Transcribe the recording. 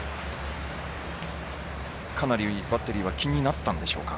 かなりバッテリーは気になったんでしょうか。